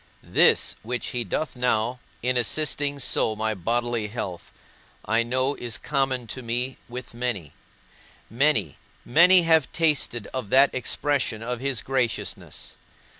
This which he doth now, in assisting so my bodily health, I know is common to me with many: many, many have tasted of that expression of his graciousness.